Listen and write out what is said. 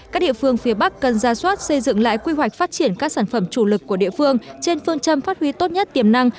các địa phương phía bắc cần ra soát xây dựng lại quy hoạch phát triển các sản phẩm chủ lực của địa phương trên phương châm phát huy tốt nhất tiềm năng